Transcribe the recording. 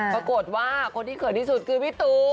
ปรากฏว่าคนที่เขินที่สุดคือพี่ตู